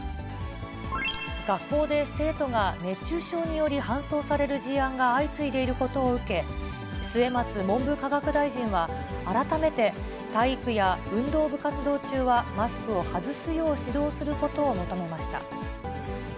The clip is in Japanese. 学校で生徒が熱中症により搬送される事案が相次いでいることを受け、末松文部科学大臣は、改めて体育や運動部活動中はマスクを外すよう指導することを求めました。